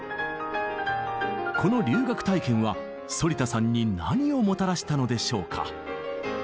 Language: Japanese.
この留学体験は反田さんに何をもたらしたのでしょうか？